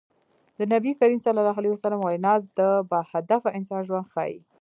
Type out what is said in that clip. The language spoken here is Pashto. د نبي کريم ص وينا د باهدفه انسان ژوند ښيي.